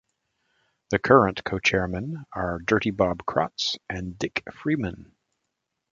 The current co-Chairmen are "Dirty Bob" Krotts and Dick Freeman.